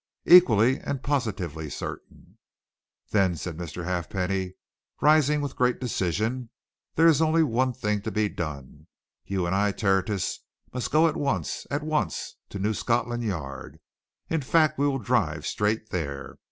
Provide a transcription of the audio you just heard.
"Equally and positively certain!" "Then," said Mr. Halfpenny, rising with great decision, "there is only one thing to be done. You and I, Tertius, must go at once at once! to New Scotland Yard. In fact, we will drive straight there.